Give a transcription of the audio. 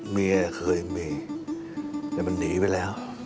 เมียเคยมีแต่มันหนีไปแล้ว